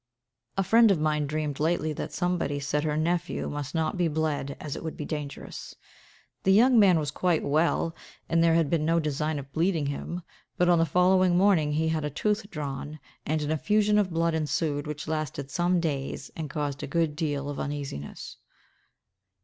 A friend of mine dreamed lately that somebody said her nephew must not be bled, as it would be dangerous. The young man was quite well, and there had been no design of bleeding him; but on the following morning he had a tooth drawn, and an effusion of blood ensued, which lasted some days, and caused a good deal of uneasiness.